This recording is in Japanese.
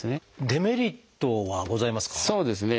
デメリットはございますか？